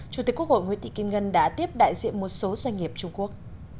chủ tịch quốc hội nguyễn thị kim ngân đã tiếp đại diện một số doanh nghiệp trung quốc